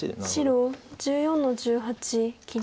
白１４の十八切り。